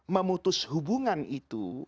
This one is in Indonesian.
memutus hubungan itu